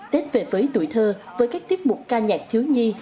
tết về với tuổi thơ với các tiết mục ca nhạc thiếu nhi